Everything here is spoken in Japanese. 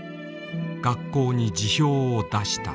学校に辞表を出した。